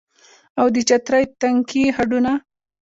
او د چترۍ تنکي هډونه